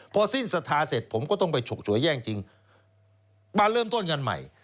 พอสิ้นศรัทธาเสร็จผมก็ต้องไปฉกฉวยแย่งจริงมาเริ่มต้นกันใหม่